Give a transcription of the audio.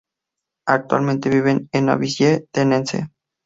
Actualmente viven en Nashville, Tennessee.